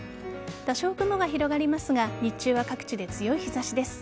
多少、雲が広がりますが日中は各地で強い日差しです。